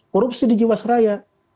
korupsi di jiwasraya